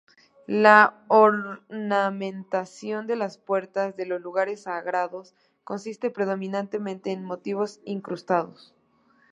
La ornamentación de las puertas de los lugares sagrados consiste predominantemente en motivos incrustados.